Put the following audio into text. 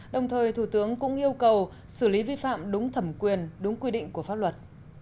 đồng thời thủ tướng cũng yêu cầu xử lý vi phạm đúng thẩm quyền đúng quy định của pháp luật